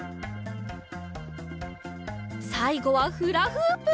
さいごはフラフープ。